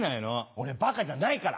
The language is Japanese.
俺バカじゃないから。